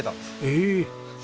ええ！？